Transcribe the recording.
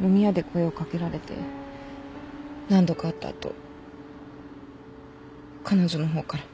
飲み屋で声を掛けられて何度か会った後彼女の方から。